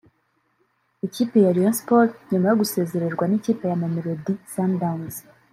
Ikipe ya Rayon Sports nyuma yo gusezererwa n’ikipe ya Mamelodi Sundowns